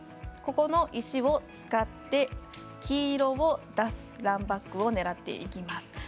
ここの石を使って黄色を出すランバックを狙っていきます。